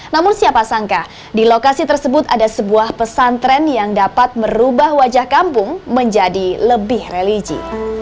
namun siapa sangka di lokasi tersebut ada sebuah pesantren yang dapat merubah wajah kampung menjadi lebih religi